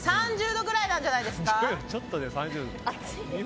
３０度くらいなんじゃないですか。